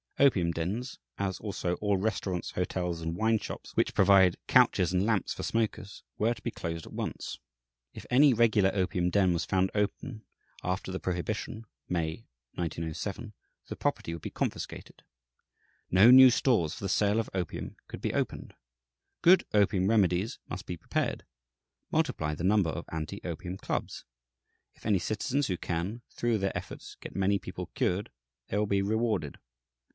Opium dens, as also all restaurants, hotels, and wine shops which provide couches and lamps for smokers were to be closed at once. If any regular opium den was found open after the prohibition (May, 1907), the property would be confiscated. No new stores for the sale of opium could be opened. "Good opium remedies must be prepared. Multiply the number of anti opium clubs. If any citizens who can, through their efforts, get many people cured, they will be rewarded....